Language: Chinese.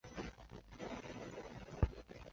长蒴圆叶报春为报春花科报春花属下的一个种。